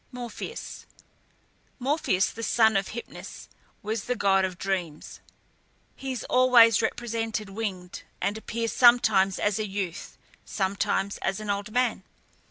MORPHEUS. Morpheus, the son of Hypnus, was the god of Dreams. He is always represented winged, and appears sometimes as a youth, sometimes as an old man.